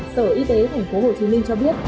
sở y tế tp hcm cho biết